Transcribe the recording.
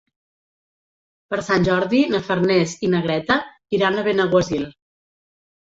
Per Sant Jordi na Farners i na Greta iran a Benaguasil.